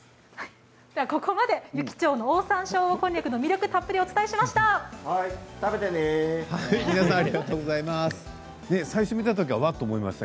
ここまで湯来町オオサンショウウオこんにゃくの魅力をたっぷりお伝えしました。